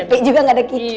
cepet juga gak ada kiki